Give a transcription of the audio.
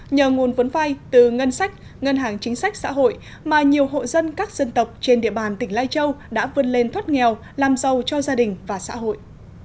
nhờ nguồn vốn vai từ ngân sách ngân hàng chính sách xã hội mà nhiều hộ dân các dân tộc trên địa bàn tỉnh lai châu đã vươn lên thoát nghèo làm giàu cho gia đình và xã hội